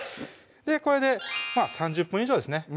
これで３０分以上ですね